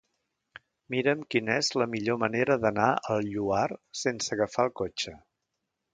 Mira'm quina és la millor manera d'anar al Lloar sense agafar el cotxe.